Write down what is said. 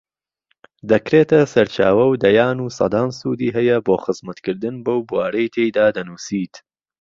دەکرێتە سەرچاوە و دەیان و سەدان سوودی هەیە بۆ خزمەتکردن بەو بوارەی تێیدا دەنووسیت